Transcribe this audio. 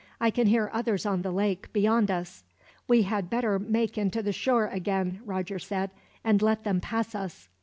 "I can hear others on the lake, beyond us." "We had better make into the shore again," Roger said, "and let them pass us."